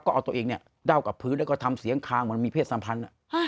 ก็เอาตัวเองเนี่ยเดากับพื้นแล้วก็ทำเสียงคางเหมือนมีเพศสัมพันธ์